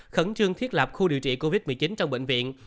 khẩn trương thiết lập khu điều trị covid một mươi chín trong bệnh viện